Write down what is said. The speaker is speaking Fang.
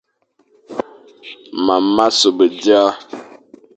Mam ma sobe dia,